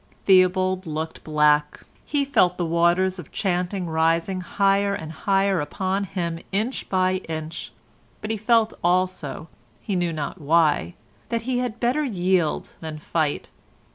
Theobald looked black—he felt the waters of chanting rising higher and higher upon him inch by inch; but he felt also, he knew not why, that he had better yield than fight.